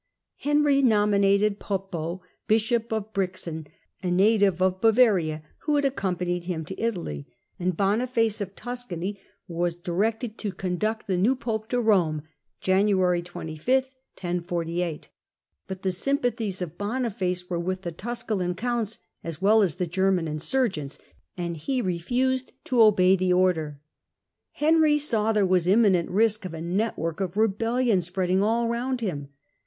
Henry nominated Poppo, bishop of Brixen, a native of Bavaria, who had accom panied him to Italy, and Boniface of Tuscany was yGoogk «<J HiLDBBRAND directed to conduct the new pope to Rome (January 25, 1048) ; but the sympathies of Boniface were with the Tusculan counts as well as the Genuan insurgents, and he refused to obey the order. Henry saw there was imminent risk of a network of rebellion spreading all round him.